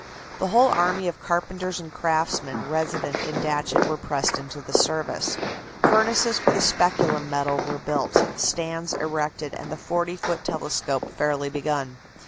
The whole army of carpenters and craftsmen resident in Datchet were pressed into the service. Furnaces for the speculum metal were built, stands erected, and the 40 foot telescope fairly begun.